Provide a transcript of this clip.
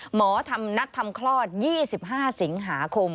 หมอนัดทำคลอด๒๕สิงหาคม